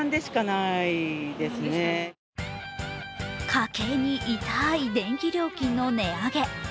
家計に痛い電気料金の値上げ。